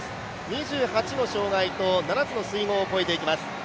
２８の障害と７つの水濠を越えていきます。